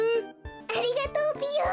ありがとうぴよ。